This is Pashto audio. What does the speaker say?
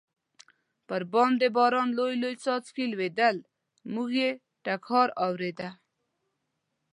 پر بام د باران لوی لوی څاڅکي لوېدل، موږ یې ټکهار اورېده.